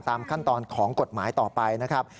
ตามขั้นตอนของกฎหมายต่อไปนะครับ